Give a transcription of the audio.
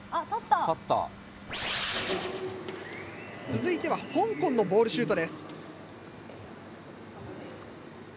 続いては香港のボールシュートです。